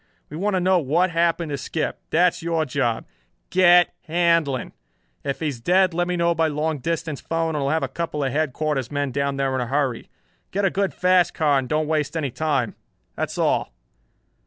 We want to know what happened to Skip. That is your job. Get Handlon! If he is dead let me know by long distance phone and I'll have a couple of headquarters men down there in a hurry. Get a good fast car and don't waste any time. That's all."